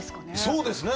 そうですね。